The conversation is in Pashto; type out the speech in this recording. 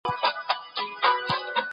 کورنۍ لرو.